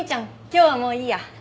今日はもういいや。